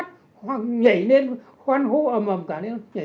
cùng những ngày tháng chiến tranh ác liệt nhất